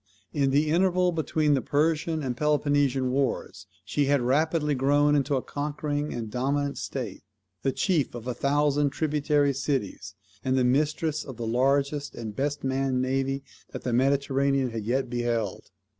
In the interval between the Persian and Peloponnesian wars she had rapidly grown into a conquering and dominant state, the chief of a thousand tributary cities, and the mistress of the largest and best manned navy that the Mediterranean had yet beheld.